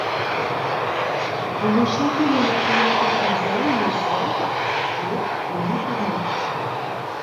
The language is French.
Il est chanté dans les prières quotidiennes, le soir, et, aux enterrements.